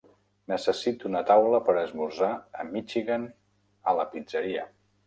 Necessito una taula per a esmorzar a Michigan a la pizzeria